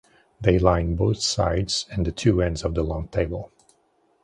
They line both sides and the two ends of the long table.